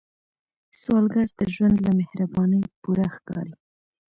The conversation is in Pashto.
سوالګر ته ژوند له مهربانۍ پوره ښکاري